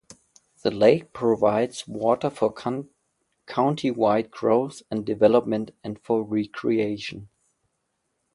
The lake provides water for countywide growth and development, and for recreation.